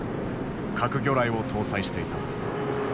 核魚雷を搭載していた。